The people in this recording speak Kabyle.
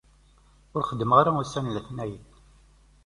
Ur xeddmeɣ ara ussan n letnayen.